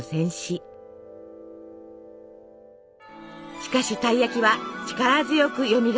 しかしたい焼きは力強くよみがえります。